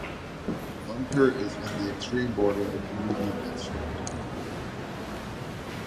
Mundkur is in the extreme border of Udupi District.